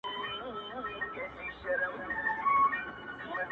زه د ملي بیرغ په رپ ـ رپ کي اروا نڅوم,